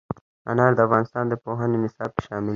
انار د افغانستان د پوهنې نصاب کې شامل دي.